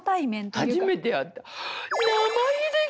初めて会った。